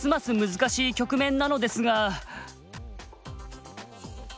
難しい局面なのですが。